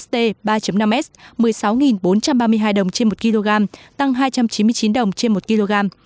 st ba năm s một mươi sáu bốn trăm ba mươi hai đồng trên một kg tăng hai trăm chín mươi chín đồng trên một kg